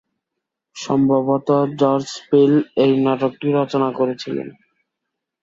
সম্ভবত George Peele এই নাটকটি রচনা করেছিলেন।